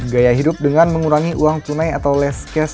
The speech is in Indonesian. gaya hidup dengan mengurangi uang tunai atau less cash